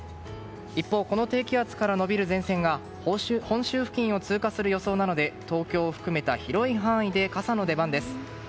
一方、この低気圧から延びる前線が本州付近を通過する予想なので東京を含めた広い範囲で傘の出番です。